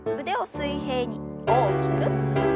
腕を水平に大きく。